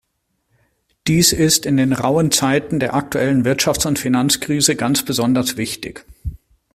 Dies ist in den rauen Zeiten der aktuellen Wirtschafts- und Finanzkrise ganz besonders wichtig.